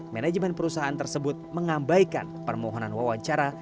manajemen perusahaan tersebut mengabaikan permohonan wawancara